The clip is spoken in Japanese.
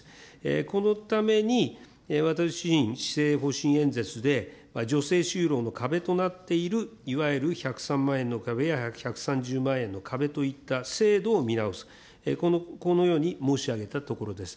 このために私、施政方針演説で女性就労の壁となっているいわゆる１０３万円の壁や１３０万円の壁といった制度を見直す、このように申し上げたところです。